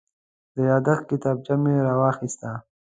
د یادښت کتابچه مې راوویسته.